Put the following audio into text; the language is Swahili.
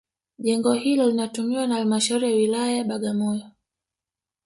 Jengo hilo linatumiwa na halmashauri ya wilaya Bagamoyo